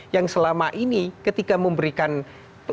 yang selama ini ketika memberikan